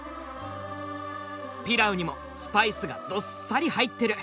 ピラウにもスパイスがどっさり入ってる。